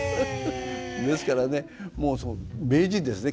ですからね名人ですね